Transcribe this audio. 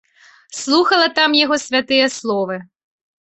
Слухала там яго святыя словы.